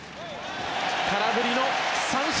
空振りの三振！